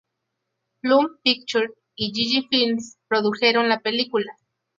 Plum Pictures y Gigi Films produjeron la película.